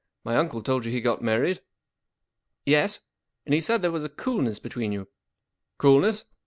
My uncle told you he'd got married ?"" Yes. And he said there was a coolness between you.'" " Coolness